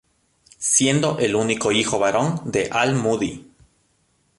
Siendo el único hijo varón de Al Moody.